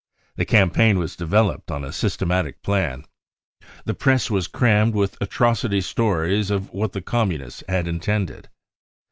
The campaign was developed on a systematic plan. The Press was crammed with atrocity stories of what the Communists had intended.